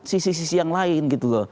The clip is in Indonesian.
sisi sisi yang lain